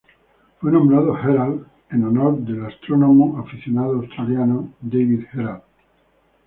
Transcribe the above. Fue nombrado Herald en honor al astrónomo aficionado australiano David Herald.